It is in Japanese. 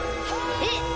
えっ